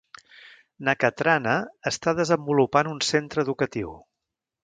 Nakhatrana està desenvolupant un centre educatiu.